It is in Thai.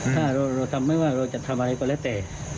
ถ้าเราทำไม่ว่าเราจะทำอะไรก็แล้วแต่